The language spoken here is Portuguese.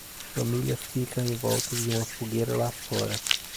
Família fica em volta de uma fogueira lá fora.